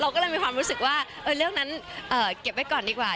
ก็เลยมีความรู้สึกว่าเรื่องนั้นเก็บไว้ก่อนดีกว่า